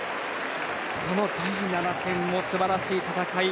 この第７戦も素晴らしい戦い。